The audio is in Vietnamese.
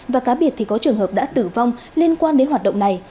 và cá biệt thì có trường hợp đã tử vong liên quan đến hoạt động này